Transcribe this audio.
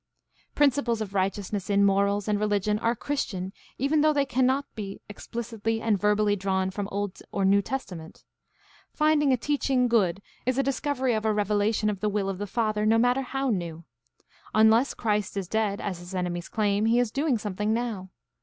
Principles of righteousness in morals and religion are "Christian" even though they cannot be explicitly and 686 GUIDE TO STUDY OF CHRISTIAN RELIGION verbally drawn from Old or New Testament. Finding a teaching good is a discovery of a revelation of the will of the Father, no matter how new. Unless Christ is dead, as his enemies claim, he is doing something now.